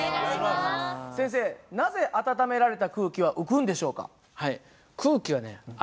先生なぜ温められた空気は浮くんでしょうか？